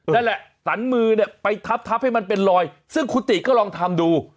นั่นแหละสันมือเนี่ยไปทับให้มันเป็นรอยซึ่งคุณติก็ลองทำดู